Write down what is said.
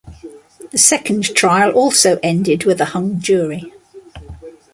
The second trial also ended with a hung jury.